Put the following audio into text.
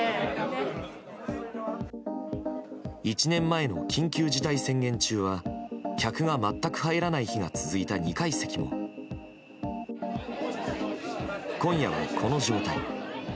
１年前の緊急事態宣言中は客が全く入らない日が続いた２階席も今夜は、この状態。